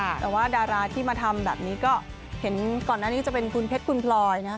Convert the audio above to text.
แต่ว่าดาราที่มาทำแบบนี้ก็เห็นก่อนหน้านี้จะเป็นคุณเพชรคุณพลอยนะครับ